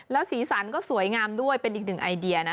แล้วสีสันก็สวยงามด้วยเป็นอีกหนึ่งไอเดียนะ